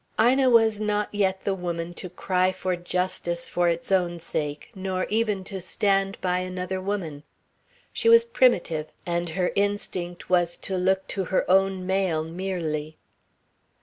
Ina was not yet the woman to cry for justice for its own sake, nor even to stand by another woman. She was primitive, and her instinct was to look to her own male merely.